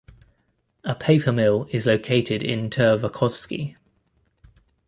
A paper mill is located in Tervakoski.